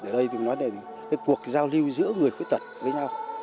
đây là cuộc giao lưu giữa người khuyết tật với nhau